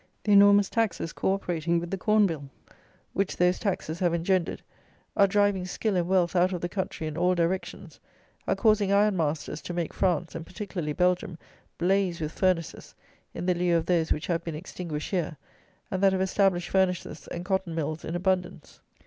The enormous taxes co operating with the Corn bill, which those taxes have engendered, are driving skill and wealth out of the country in all directions; are causing iron masters to make France, and particularly Belgium, blaze with furnaces, in the lieu of those which have been extinguished here; and that have established furnaces and cotton mills in abundance.